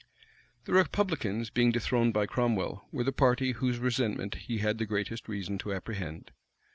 The republicans, being dethroned by Cromwell, were the party whose resentment he had the greatest reason to apprehend.